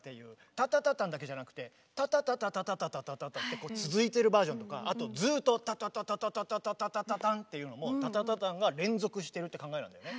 タタタタンだけじゃなくてタタタタタタタタタタタタってあとずっとタタタタタタタタタタタタンっていうのもタタタタンが連続してるって考えなんだよね。